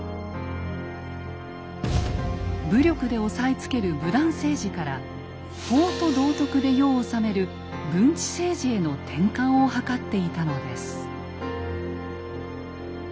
武力で押さえつける「武断政治」から法と道徳で世を治める「文治政治」への転換を図っていたのです。